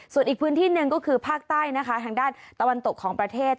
ส่วนอีกพื้นที่หนึ่งก็คือภาคใต้นะคะทางด้านตะวันตกของประเทศ